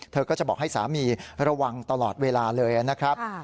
เธอก็จะบอกให้สามีระวังตลอดเวลาเลยนะครับ